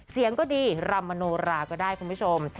เสียงภาคดีคุณผู้ชม